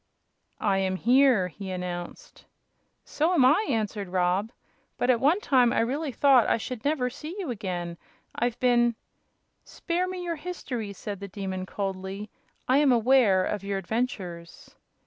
"I am here!" he announced. "So am I," answered Rob. "But at one time I really thought I should never see you again. I've been " "Spare me your history," said the Demon, coldly. "I am aware of your adventures."